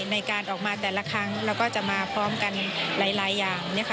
ในการออกมาแต่ละครั้งแล้วก็จะมาพร้อมกันหลายอย่าง